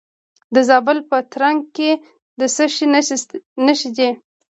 د زابل په ترنک کې د څه شي نښې دي؟